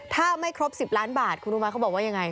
ถ้าไม่ครบ๑๐ล้านบาทคุณรู้ไหมเขาบอกว่ายังไง